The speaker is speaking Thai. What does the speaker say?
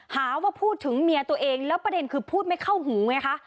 หาว่าพูดถึงเมียตัวเองแล้วประเด็นคือพูดไม่เข้าหูไงคะ